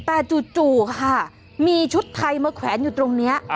แต่จู่ค่ะมีชุดไทยมาแขวนอยู่ตรงนี้